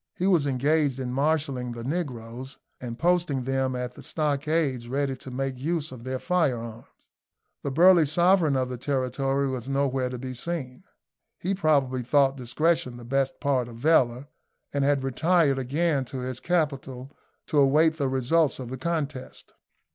He was engaged in marshalling the negroes, and posting them at the stockades ready to make use of their firearms. The burly sovereign of the territory was nowhere to be seen. He probably thought discretion the best part of valour, and had retired again to his capital, to await the results of the contest.